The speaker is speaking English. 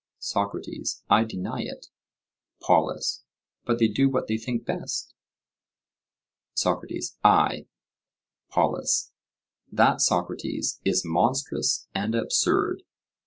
SOCRATES: I deny it. POLUS: But they do what they think best? SOCRATES: Aye. POLUS: That, Socrates, is monstrous and absurd.